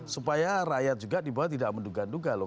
supaya rakyat juga di bawah tidak menduga duga loh